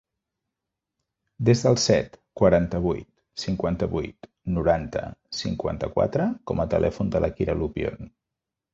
Desa el set, quaranta-vuit, cinquanta-vuit, noranta, cinquanta-quatre com a telèfon de la Kira Lupion.